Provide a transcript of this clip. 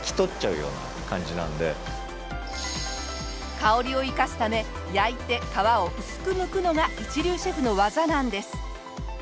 香りを生かすため焼いて皮を薄くむくのが一流シェフの技なんです。